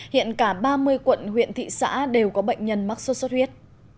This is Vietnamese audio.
hiện cả ba mươi quận huyện thị xã đều có bệnh nhân mắc sốt xuất huyết